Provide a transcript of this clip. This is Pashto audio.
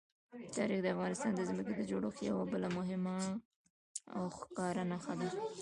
تاریخ د افغانستان د ځمکې د جوړښت یوه بله مهمه او ښکاره نښه ده.